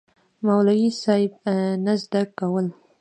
مولوي صېب نه زده کول